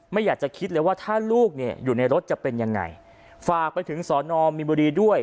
ไม่อยากจะคิดเลยว่าถ้าลูกเนี่ยอยู่ในรถจะเป็นยังไงฝากไปถึงสอนอมมีบุรีด้วย